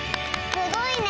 すごいね！